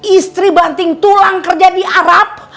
istri banting tulang kerja di arab